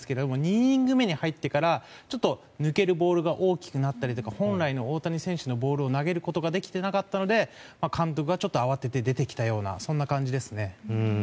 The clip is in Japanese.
２イニング目に入ってからちょっと抜けるボールが大きくなったりとか本来の大谷選手のボールを投げることができていなかったので監督はちょっと慌てて出てきたようなそんな感じですね。